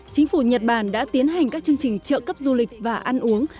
chính phủ nhật bản đã tiến hành các chương trình trợ cấp du lịch và ăn uống